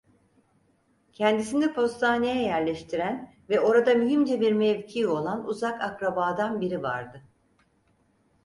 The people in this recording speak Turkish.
Kendisini postaneye yerleştiren ve orada mühimce bir mevkii olan uzak akrabadan biri vardı: